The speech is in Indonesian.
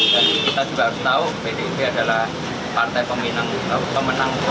dan kita juga harus tahu pdip adalah partai pemenang kominus sebelumnya